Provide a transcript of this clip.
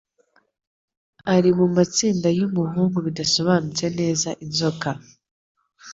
Ari mumatsinda yumuhungu bidasobanutse neza inzoka.